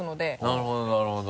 なるほどなるほど。